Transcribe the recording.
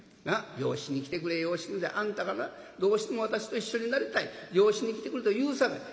養子に来てくれ養子にあんたがなどうしても私と一緒になりたい養子に来てくれと言うさかい。